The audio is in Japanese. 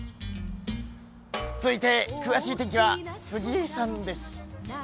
続いて、詳しい天気は杉江さんです。